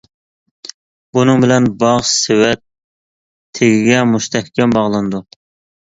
بۇنىڭ بىلەن باغ سېۋەت تېگىگە مۇستەھكەم باغلىنىدۇ.